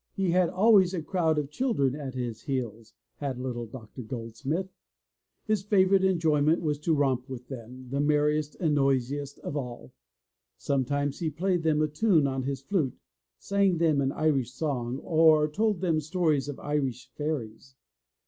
He had always a crowd of children at his heels, had little Doc tor Goldsmith. His favorite enjoyment was to romp with them, the merriest and noisiest of all. Sometimes he played them a tune on his flute, sang them an Irish song, or told them stories of Irish fairies.